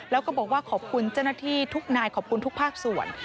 แล้วก็บอกว่าขอบคุณเจ้าหน้าที่ทุกนายขอบคุณทุกภาคส่วน